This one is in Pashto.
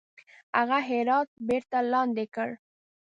هغه هرات بیرته لاندي کړي.